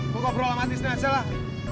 gua ngobrol sama tisna aja lah